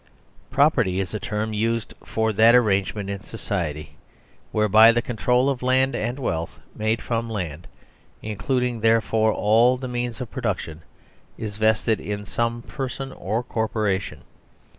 Property is a term used for that arrangement in society whereby the control of land and of wealth made from land, including therefore all the means of production, is vested in some person or corpora tion.